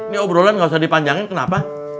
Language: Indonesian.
ini obrolan nggak usah dipanjangin kenapa